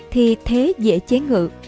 thì thế dễ chế ngự